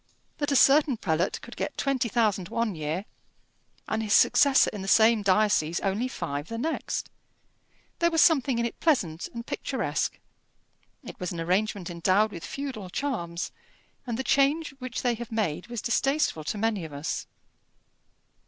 That a certain prelate could get twenty thousand one year and his successor in the same diocese only five the next! There was something in it pleasant, and picturesque; it was an arrangement endowed with feudal charms, and the change which they have made was distasteful to many of us.